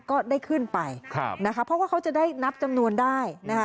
ก็ได้ขึ้นไปนะคะเพราะว่าเขาจะได้นับจำนวนได้นะคะ